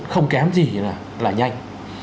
không kém gì là nhanh